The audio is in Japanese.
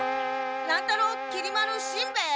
乱太郎きり丸しんべヱ！